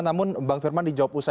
namun pak firman dijawab dengan